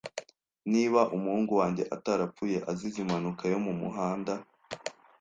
Niba umuhungu wanjye atarapfuye azize impanuka yo mumuhanda,